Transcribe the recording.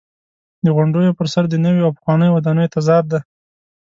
د غونډیو پر سر د نویو او پخوانیو ودانیو تضاد دی.